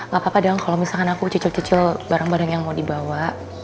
gak apa apa dong kalau misalkan aku cicil cicil barang barang yang mau dibawa